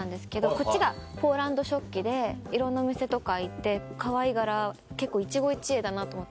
こっちがポーランド食器でいろんなお店とか行ってかわいい柄結構一期一会だなと思って。